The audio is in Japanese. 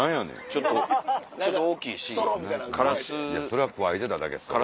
それはくわえてただけですけど。